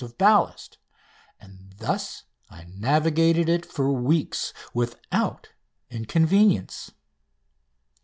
of ballast and thus I navigated it for weeks, without inconvenience.